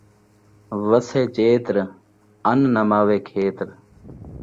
وسّے چیتر، ان ناں ماوے کھیتر